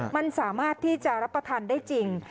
มันสามารถที่จะรับประทานได้จริง